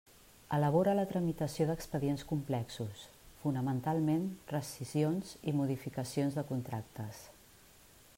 Elabora la tramitació d'expedients complexos, fonamentalment rescissions i modificacions de contractes.